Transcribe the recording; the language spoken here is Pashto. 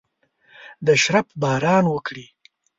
د شرپ باران وکړي